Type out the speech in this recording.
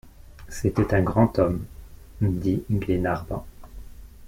C’était un grand homme, dit Glenarvan.